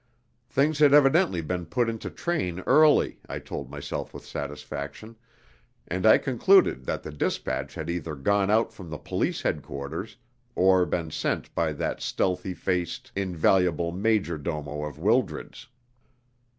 Things had evidently been put into train early, I told myself with satisfaction, and I concluded that the despatch had either gone out from police headquarters or been sent by that stealthy faced, invaluable major domo of Wildred's.